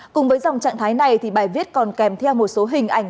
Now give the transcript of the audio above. cùng với dòng trạng thái này thì bài viết còn kèm theo một số hình ảnh